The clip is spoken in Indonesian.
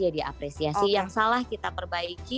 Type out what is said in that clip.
jadi apresiasi yang salah kita perbaiki